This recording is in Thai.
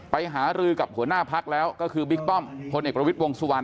หารือกับหัวหน้าพักแล้วก็คือบิ๊กป้อมพลเอกประวิทย์วงสุวรร